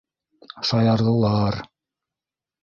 Шаярҙылар.